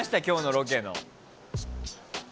ロケの。